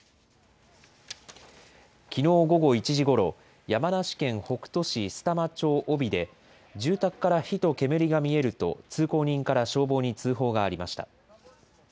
きのう午後１時ごろ、山梨県北杜市須玉町小尾で住宅から火と煙が見えると、通行人から消防に通報がありました。